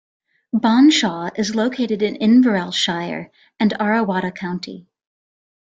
Bonshaw is located in Inverell Shire and Arrawatta County.